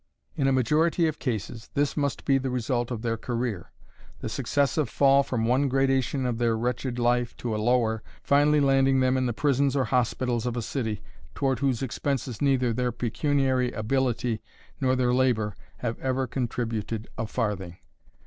In a majority of cases, this must be the result of their career; the successive fall from one gradation of their wretched life to a lower finally landing them in the prisons or hospitals of a city toward whose expenses neither their pecuniary ability nor their labor have ever contributed a farthing.